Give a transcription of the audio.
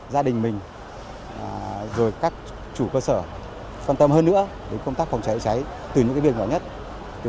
gia đình mình rồi các chủ cơ sở quan tâm hơn nữa đến công tác phòng cháy cháy